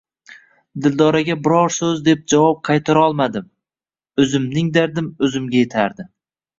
Dildoraga biror soʻz deb javob qaytarolmadim, oʻzimning dardim oʻzimga yetardi.